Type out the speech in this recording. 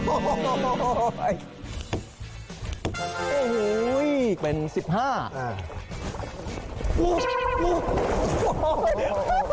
โอ้โหเป็นสิบห้า